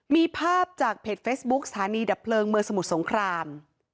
มีภาพจากเพจเฟซบุ๊คสถานีดับเพลิงเมืองสมุทรสงคราม